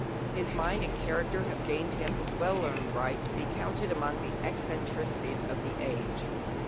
His mind and character have gained him his well earned right to be counted among the eccentricities of the age.